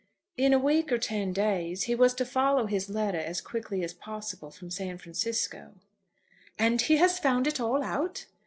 "In a week or ten days. He was to follow his letter as quickly as possible from San Francisco." "And he has found it all out?"